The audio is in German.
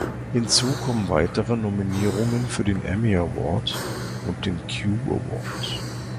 Hinzu kommen weitere Nominierungen für den Emmy-Award und den Q-Award.